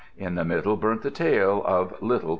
In the middle burnt the tail of little Porcupine."